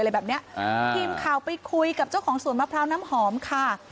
ทีมข่าวไปคุยกับเจ้าของสวนมะพร้าวน้ำหอมค่ะ